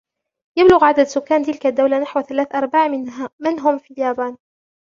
يبلغ عدد سكان تلك الدولة نحو ثلاثة أرباع من هم في اليابان.